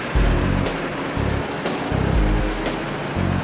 jalan jalan men